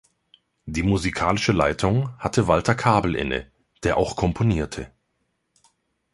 Die musikalische Leitung hatte Walter Kabel inne, der auch komponierte.